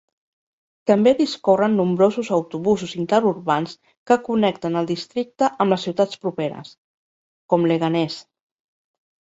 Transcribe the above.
També discorren nombrosos autobusos interurbans que connecten el districte amb les ciutats properes, com Leganés.